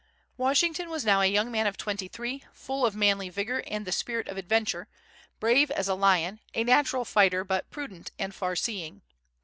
Washington was now a young man of twenty three, full of manly vigor and the spirit of adventure, brave as a lion, a natural fighter, but prudent and far seeing.